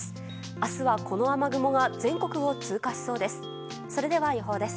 明日は、この雨雲が全国を通過しそうです。